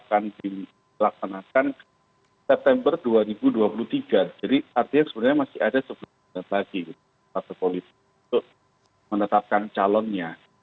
ini yang kita sama sama bertanya apa maksud dari presiden jokowi